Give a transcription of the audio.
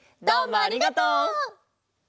どうもありがとう！